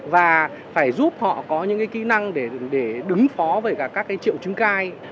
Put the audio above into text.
và phải giúp họ có những cái kỹ năng để đứng phó với cả các cái triệu chứng cai